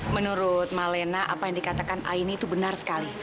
menurut malena apa yang dikatakan aini itu benar sekali